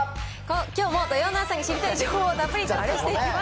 きょうも土曜の朝に知りたい情報をたっぷりとお伝えしていきます。